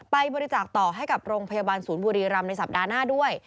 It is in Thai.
ไปบริจาคต่อให้กับโรงพยาบาลศูนย์บุรีรำในสัปดาห์หน้าด้วย